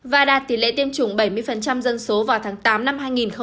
và đạt tỷ lệ tiêm chủng bảy mươi dân số vào tháng tám năm hai nghìn hai mươi bốn